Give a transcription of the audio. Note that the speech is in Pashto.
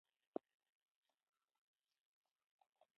طبیعت د انسان ذهن ته ارامتیا وربخښي